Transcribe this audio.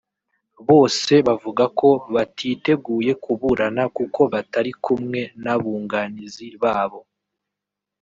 bose bavuga ko batiteguye kuburana kuko batari kumwe n’abunganizi babo